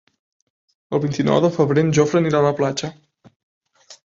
El vint-i-nou de febrer en Jofre anirà a la platja.